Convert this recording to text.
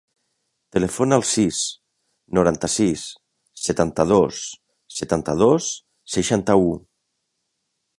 Telefona al sis, noranta-sis, setanta-dos, setanta-dos, seixanta-u.